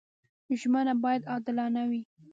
ژمنه باید عادلانه وي.